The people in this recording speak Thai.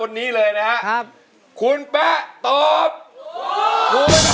เพลงนี้อยู่ในอาราบัมชุดแรกของคุณแจ็คเลยนะครับ